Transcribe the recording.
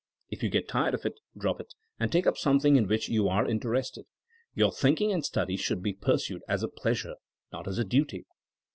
If you get tired of it, drop it and take up something in which you are inter ested. Your thinking and study should be pur sued as a pleasure — ^not as a duty.